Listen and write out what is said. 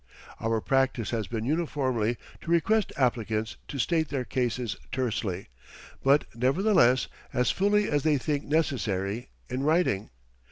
Our practice has been uniformly to request applicants to state their cases tersely, but nevertheless as fully as they think necessary, in writing.